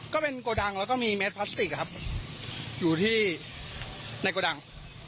ก็เป็นโกดังแล้วก็มีแมสพลาสติกครับอยู่ที่ในโกดัง